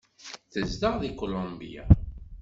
Tezdeɣ deg Kulumbya.